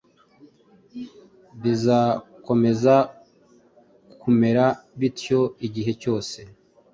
Bizakomeza kumera bityo igihe cyose